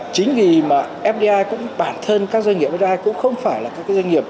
chính vì mà fdi cũng bản thân các doanh nghiệp fdi cũng không phải là các doanh nghiệp